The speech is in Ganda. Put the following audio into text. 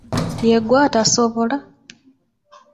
Yegwe atasobola!